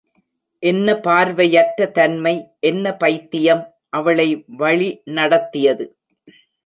என்ன பார்வையற்ற தன்மை, என்ன பைத்தியம், அவளை வழிநடத்தியது!